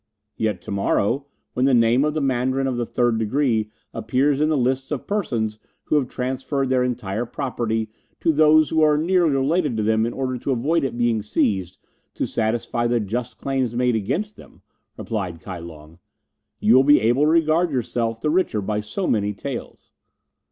"Yet to morrow, when the name of the Mandarin of the third degree appears in the list of persons who have transferred their entire property to those who are nearly related to them in order to avoid it being seized to satisfy the just claims made against them," replied Kai Lung, "you will be able to regard yourself the richer by so many taels."